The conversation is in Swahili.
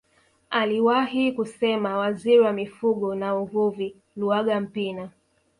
Aliwahi kusema waziri wa mifugo na uvuvi Luaga Mpina